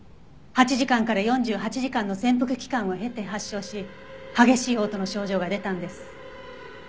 ８時間から４８時間の潜伏期間を経て発症し激しい嘔吐の症状が出たんです。